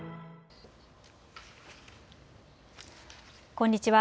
こんにちは。